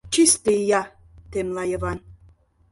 Чисте ия, — темла Йыван.